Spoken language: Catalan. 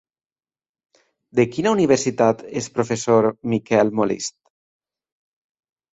De quina universitat és professor Miquel Molist?